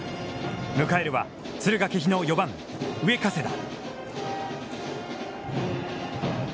迎えるは敦賀気比の４番上加世田。